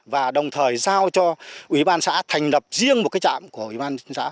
và đồng thời giao cho ủy ban xã thành lập riêng một cái trạm của ủy ban dân xã